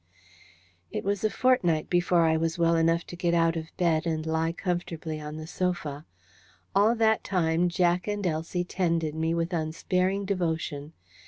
It was a fortnight before I was well enough to get out of bed and lie comfortably on the sofa. All that time Jack and Elsie tended me with unsparing devotion.